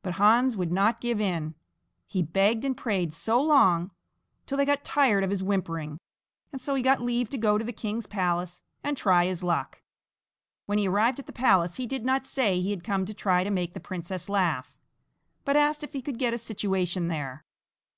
But Hans would not give in he begged and prayed so long, till they got tired of his whimpering, and so he got leave to go to the king's palace and try his luck. When he arrived at the palace he did not say he had come to try to make the princess laugh, but asked if he could get a situation there.